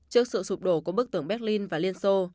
trước sự sụp đổ của bức tưởng berlin và liên xô